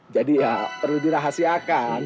jadi ya perlu dirahasiakan